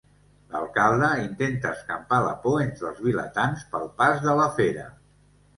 L'alcalde intenta escampar la por entre els vilatans pel pas de la fera.